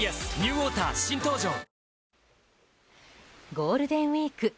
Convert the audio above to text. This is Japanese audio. ゴールデンウィーク